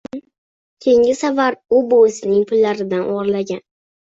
Keyingi safar u buvisining pullaridan o‘g‘irlagan.